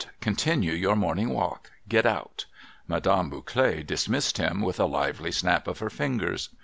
Continue your morning walk. Get out !' Madame Bouclet dismissed him with a lively snap of her fingers.